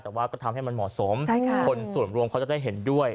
แต่ว่าก็ทำให้มันเหมาะสมคนส่วนรวมเขาจะได้เห็นด้วย